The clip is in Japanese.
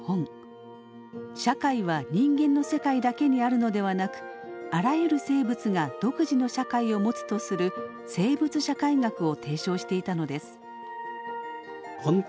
社会は人間の世界だけにあるのではなくあらゆる生物が独自の社会を持つとする生物社会学を提唱していたのです。